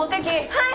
はい！